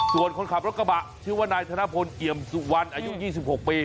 ส่วนคนขับรถกระบะชื่อว่านายธนพลเอี่ยมสุวรรณอายุ๒๖ปี